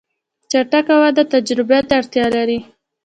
چټک وده تجربه ته اړتیا لري.